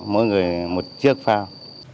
mỗi người một chiếc phao